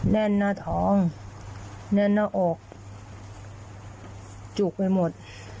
แน่นหน้าท้องแน่นหน้าอกจุกไปหมด